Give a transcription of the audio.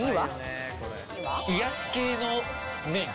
癒やし系の麺。